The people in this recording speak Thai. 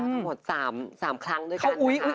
สำหรับสามครั้งด้วยกันนะครับ